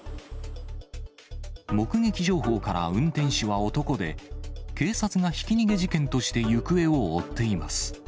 目撃情報から運転手は男で、警察がひき逃げ事件として行方を追っています。